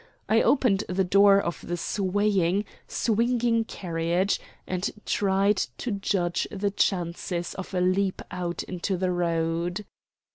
I opened the door of the swaying, swinging carriage, and tried to judge the chances of a leap out into the road.